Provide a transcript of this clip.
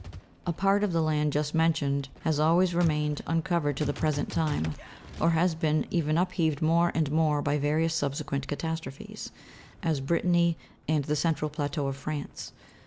A part of the land just mentioned has always remained unco vered to the present time, or has been even upheaved more and more by various subsequent catastrophes, as Brittany and the cen tral plateau of France.